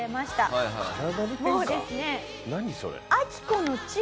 もうですね。